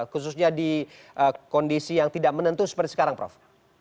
khususnya di kondisi yang tidak menentu seperti sekarang prof